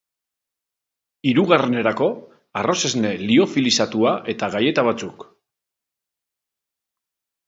Hirugarrenerako, arrozesne liofilizatua eta galleta batzuk.